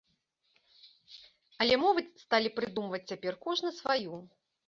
Але мовы сталі прыдумваць цяпер кожны сваю!